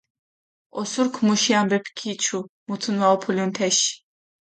ოსურქ მუში ამბეფი ქიჩუ, მუთუნი ვაუფულუნ თეში.